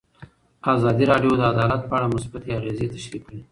ازادي راډیو د عدالت په اړه مثبت اغېزې تشریح کړي.